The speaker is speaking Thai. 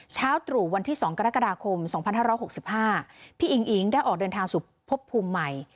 เช้าตรู่วันที่๒กรกฎาคม๒๕๖๕พี่อิงอิ๋งได้ออกเดินทางสู่พบภูมิใหม่